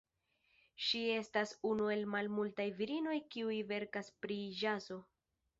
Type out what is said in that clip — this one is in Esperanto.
Ŝi estas unu el malmultaj virinoj, kiuj verkas pri ĵazo.